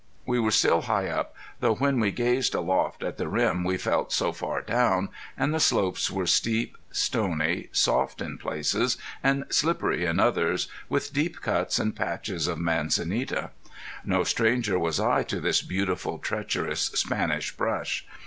We were still high up, though when we gazed aloft at the rim we felt so far down, and the slopes were steep, stony, soft in places and slippery in others, with deep cuts and patches of manzanita. No stranger was I to this beautiful treacherous Spanish brush!